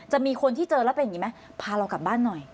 มีคนที่เจอแล้วเป็นอย่างนี้ไหมพาเรากลับบ้านหน่อย